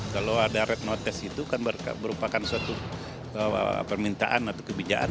kalau ada red notes itu kan merupakan suatu permintaan atau kebijakan